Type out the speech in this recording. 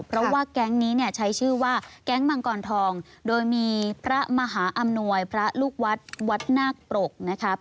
เพราะว่าแก๊งนี้เนี่ยใช้ชื่อว่าแก๊งมังกรทองโดยมีพระมหาอำนวยพระลูกวัดวัดนาคปรกนะครับ